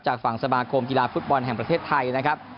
จากฝั่งสมาคมกีฬาฟุตบอลแห่งประเทศไทยนะครับ